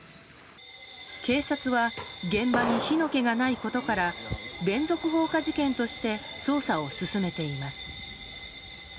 警察は現場に火の気がないことから連続放火事件として捜査を進めています。